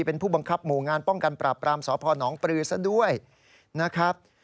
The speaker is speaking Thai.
เป็นผู้บังคับหมู่งานป้องกันปราบรามสพนปลือซะด้วยนะครับ